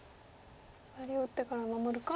左を打ってから守るか。